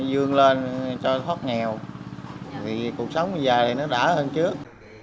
dương lên cho thoát nghèo vì cuộc sống dài thì nó đã hơn trước